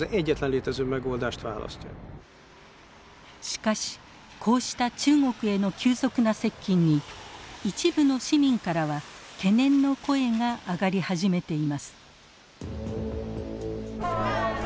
しかしこうした中国への急速な接近に一部の市民からは懸念の声が上がり始めています。